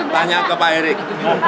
tanya ke pak erick